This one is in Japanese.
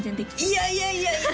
いやいやいやいや